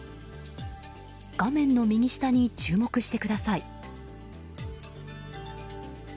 画面の右下に注目してください。